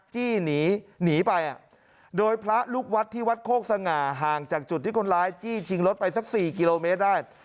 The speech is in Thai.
จี้หนีหนีไปโดยพระลูกวัดที่วัดโคกสง่าห่างจากจุดที่คนร้ายจี้ชิงรถไปสัก๔กิโลเมตรได้